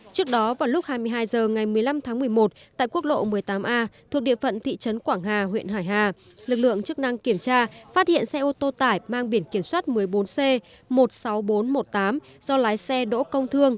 trước đó vào lúc hai mươi hai h ngày một mươi năm tháng một mươi một tại quốc lộ một mươi tám a thuộc địa phận thị trấn quảng hà huyện hải hà lực lượng chức năng kiểm tra phát hiện xe ô tô tải mang biển kiểm soát một mươi bốn c một mươi sáu nghìn bốn trăm một mươi tám do lái xe đỗ công thương